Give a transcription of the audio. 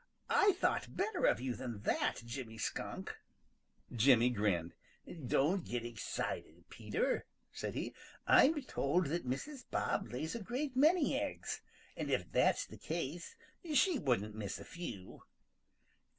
"I thought better of you than that, Jimmy Skunk." Jimmy grinned. "Don't get excited, Peter," said he. "I'm told that Mrs. Bob lays a great many eggs, and if that's the case, she wouldn't miss a few."